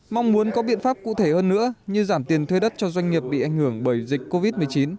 mong muốn có biện pháp cụ thể hơn nữa như giảm tiền thuê đất cho doanh nghiệp bị ảnh hưởng bởi dịch covid một mươi chín